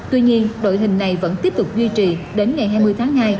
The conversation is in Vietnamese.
tuy nhiên đội hình này vẫn tiếp tục duy trì đến ngày hai mươi tháng hai